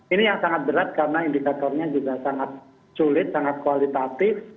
ini yang sangat berat karena indikatornya juga sangat sulit sangat kualitatif